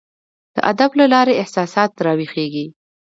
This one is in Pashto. د ادب له لاري احساسات راویښیږي.